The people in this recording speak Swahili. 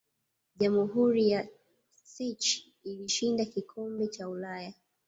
jamhuri ya czech ilishinda kikombe cha ulaya